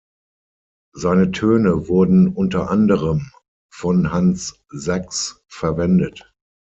Seine Töne wurden unter anderem von Hans Sachs verwendet.